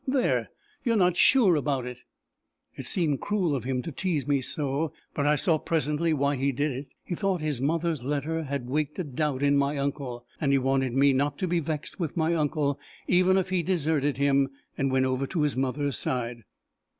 "There! you are not sure about it!" It seemed cruel of him to tease me so; but I saw presently why he did it: he thought his mother's letter had waked a doubt in my uncle; and he wanted me not to be vexed with my uncle, even if he deserted him and went over to his mother's side.